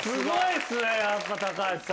やっぱ高橋さん。